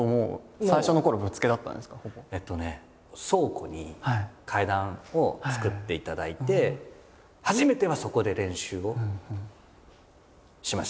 倉庫に階段を作っていただいて初めてはそこで練習をしました。